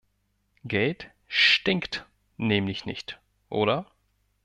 Geld stinkt nämlich nicht, oder?